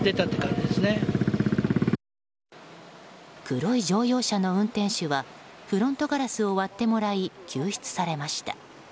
黒い乗用車の運転手はフロントガラスを割ってもらい救出されました。